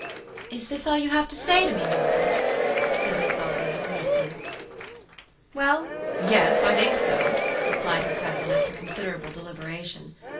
"Is this all you have to say to me, Robert?" asked Miss Audley, meekly. "Well, yes, I think so," replied her cousin, after considerable deliberation.